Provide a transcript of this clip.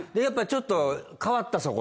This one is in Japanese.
やっぱちょっと変わった？